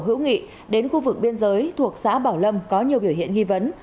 hữu nghị đến khu vực biên giới thuộc xã bảo lâm có nhiều biểu hiện nghi vấn